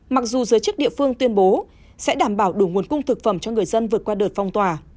mặc dù giới chức địa phương tuyên bố sẽ đảm bảo đủ nguồn cung thực phẩm cho người dân vượt qua đợt phong tỏa